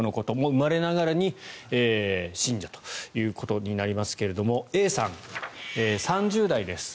生まれながらに信者ということになりますがＡさん、３０代です。